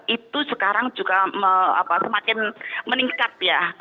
itu sekarang juga semakin meningkat ya